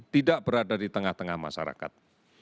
tidak berada di tengah tengah masyarakat